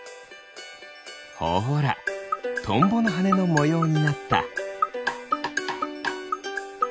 ほらトンボのはねのもようになった。